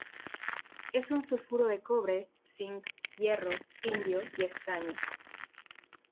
Es un sulfuro de cobre, cinc, hierro, indio y estaño.